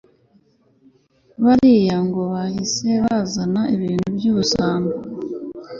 bariya ngo bahise bazana ibintu byubusambo